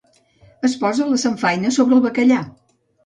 Es posa la samfaina sobre el bacallà